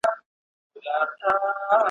نه تر ښار نه تر بازاره سو څوک تللای ,